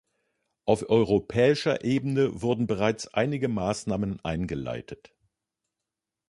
Auf europäischer Ebene wurden bereits einige Maßnahmen eingeleitet.